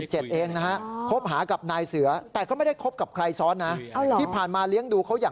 เหมือนเป็นทรงซ้อเลยเลี้ยงเด็ก